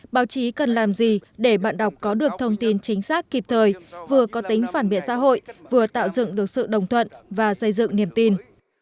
báo chí cần làm gì để bạn đọc có được thông tin chính xác kịp thời vừa có tính phản biện xã hội vừa tạo dựng được sự đồng thuận và xây dựng niềm tin